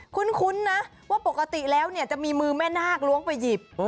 คุ้นนะว่าปกติแล้วเนี่ยจะมีมือแม่นาคล้วงไปหยิบ